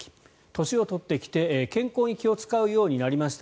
年を取ってきて健康に気を使うようになりました